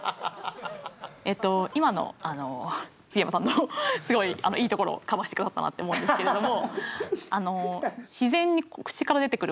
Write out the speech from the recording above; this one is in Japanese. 今の杉山さんのすごいいいところをカバーして下さったなって思うんですけれども。